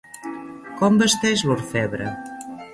Com vesteix l'orfebre?